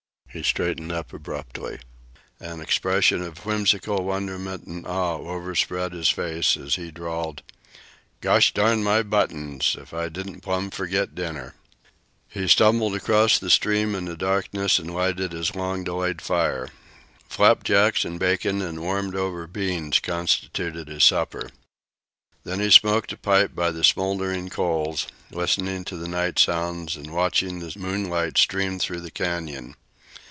He straightened up abruptly. An expression of whimsical wonderment and awe overspread his face as he drawled: "Gosh darn my buttons! if I didn't plumb forget dinner!" He stumbled across the stream in the darkness and lighted his long delayed fire. Flapjacks and bacon and warmed over beans constituted his supper. Then he smoked a pipe by the smouldering coals, listening to the night noises and watching the moonlight stream through the canyon.